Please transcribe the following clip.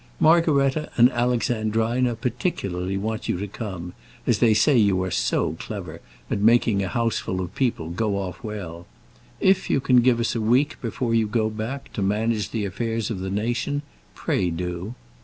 Margaretta and Alexandrina particularly want you to come, as they say you are so clever at making a houseful of people go off well If you can give us a week before you go back to manage the affairs of the nation, pray do.